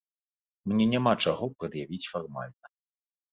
Мне няма чаго прад'явіць фармальна.